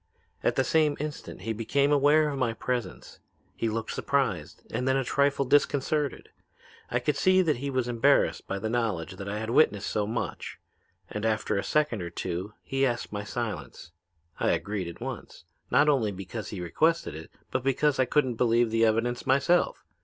At the same instant he became aware of my presence. He looked surprised and then a trifle disconcerted. I could see that he was embarrassed by the knowledge that I had witnessed so much, and after a second or two he asked my silence. I agreed at once, not only because he requested it but because I couldn't believe the evidence myself.